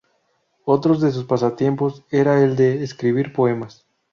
Otros de sus pasatiempos era el de escribir poemas.